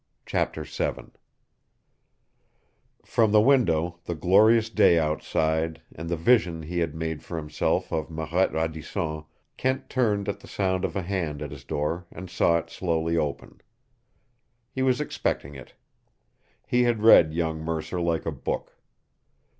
CHAPTER VII From the window, the glorious day outside, and the vision he had made for himself of Marette Radisson, Kent turned at the sound of a hand at his door and saw it slowly open. He was expecting it. He had read young Mercer like a book.